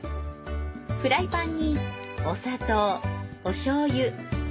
フライパンにお砂糖おしょうゆ